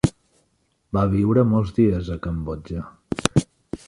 Va viure molts dies a Cambodja.